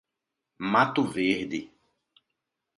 Mato Verde